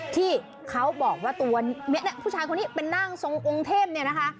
ที่เขาบอกว่าตัวเนี่ยผู้ชายคนนี้เป็นร่างทรงองค์เทพเนี่ยนะคะ